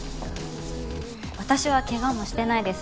私はケガもしてないですしほら